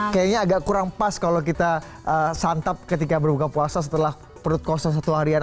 kayaknya agak kurang pas kalau kita santap ketika berbuka puasa setelah perut kosong satu harian